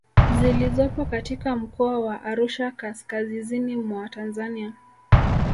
zilizopo katika mkoa wa Arusha kaskazizini mwa Tanzania